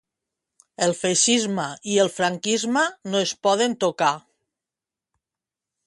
El feixisme i el franquisme no es poden tocar.